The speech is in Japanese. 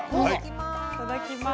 いただきます。